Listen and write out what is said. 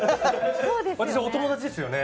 私、お友達ですよね。